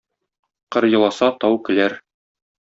Кыр еласа, тау көләр.